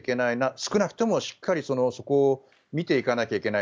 少なくとも、しっかりそこを見ていかなきゃいけない。